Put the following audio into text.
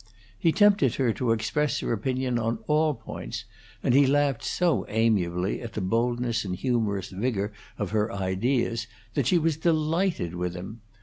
He tempted her to express her opinion on all points, and he laughed so amiably at the boldness and humorous vigor of her ideas that she was delighted with him.